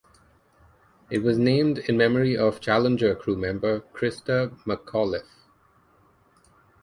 It was named in memory of Challenger crew member Christa McAuliffe.